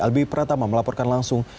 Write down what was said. albi pratama melaporkan langsung